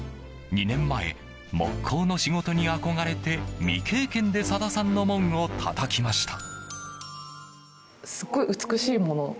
２年前、木工の仕事に憧れて未経験で佐田さんの門をたたきました。